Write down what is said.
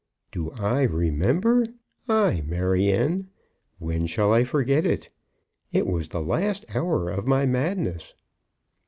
"Do I remember? Ay, Maryanne; when shall I forget it? It was the last hour of my madness."